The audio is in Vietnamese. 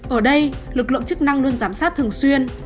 ở đây lực lượng chức năng luôn giám sát thường xuyên